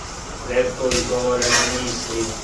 Ретко изговорене мисли.